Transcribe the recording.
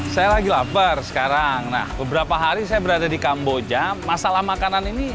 saya lagi lapar sekarang nah beberapa hari saya berada di kamboja masalah makanan ini